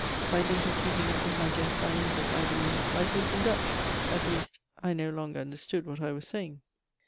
By dint of keeping up with my guest, I ended, I believe, by talking Dutch; at least, I no longer understood what I was saying.